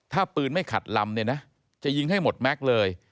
ถ้าปืนไม่ขัดลำเนี่ยนะจะยิงให้หมดแม็กซ์เลย